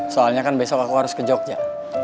soalnya kan besok aku harus ke jogja